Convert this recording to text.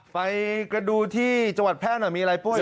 ไปดูที่จังหวัดแพร่หน่อยมีอะไรปุ้ย